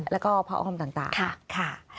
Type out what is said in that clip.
แล้วก็พระออมต่างค่ะค่ะ